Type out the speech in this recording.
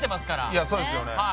いやそうですよね。